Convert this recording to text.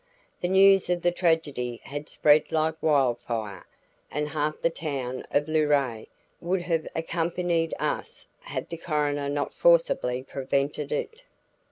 The news of the tragedy had spread like wild fire, and half the town of Luray would have accompanied us had the coroner not forcibly prevented it.